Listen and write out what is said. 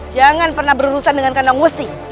jangan pernah berurusan dengan kandang musik